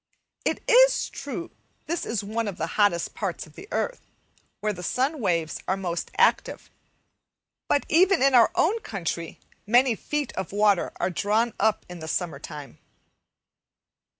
It is true this is one of the hottest parts of the earth, where the sun waves are most active; but even in our own country many feet of water are drawn up in the summer time.